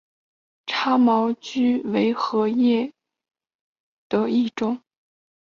叉毛锯蕨为禾叶蕨科锯蕨属下的一个种。